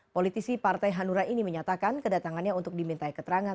politisi partai hanura ini menyatakan kedatangannya untuk dimintai keterangan